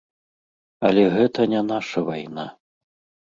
Але гэта не наша вайна.